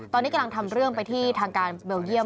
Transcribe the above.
ตอนนี้กำลังทำเรื่องไปที่ทางการเบลเยี่ยม